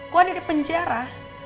keluar dari penjara